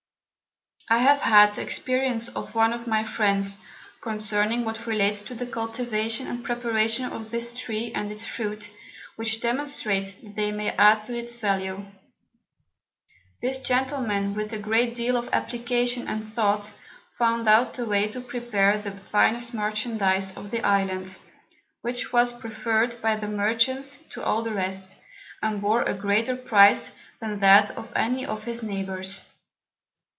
I have had the Experience of one of my Friends, concerning what relates to the Cultivation and Preparation of this Tree and its Fruit, which demonstrates that they may add to its Value. This Gentleman, with a great deal of Application and Thought, found out the way to prepare the finest Merchandize of the Island, which was prefer'd by the Merchants to all the rest, and bore a greater Price than that of any of his Neighbours.